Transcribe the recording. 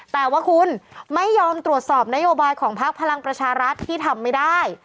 แต่ว่าคุณไม่ยอมตรวจสอบนโยบายของพักพลังประชารัฐที่ทำไม่ได้